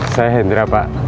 saya hendira pak